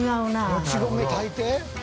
もち米炊いて？